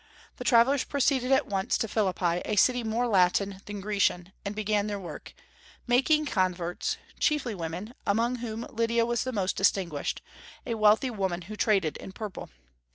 The travellers proceeded at once to Philippi, a city more Latin than Grecian, and began their work; making converts, chiefly women, among whom Lydia was the most distinguished, a wealthy woman who traded in purple.